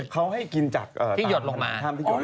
เขาให้กินจากที่หยดลงมา